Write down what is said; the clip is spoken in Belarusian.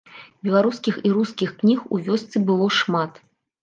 Беларускіх і рускіх кніг у вёсцы было шмат.